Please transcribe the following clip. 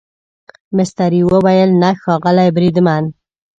مستري وویل نه ښاغلی بریدمن.